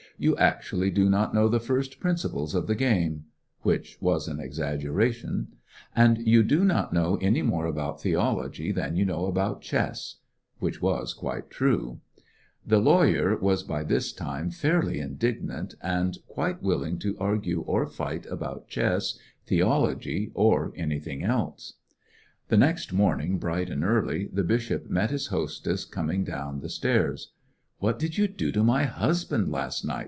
You actually do not know the first principles of the game" (which was an exaggeration), "and you do not know any more about theology than you know about chess" (which was quite true). The lawyer was by this time fairly indig nant, and quite willing to argue or fight about chess, theology, or anything else. 188 ^iggionarY in t^ Great West The next moruingj bright and earljj the bishop met his hostess coming down the stairs. ^^What did you do to my hmband last night?''